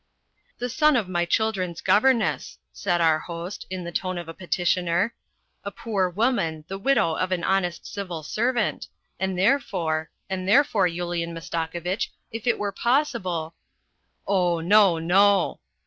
" The son of my children's governess," said our host, in a tone of a petitioner, " a poor woman, the widow of an honest civil servant ; and therefore ... and therefore, Yulian Masta kovitch, if it were possible ..."" Oh, no, no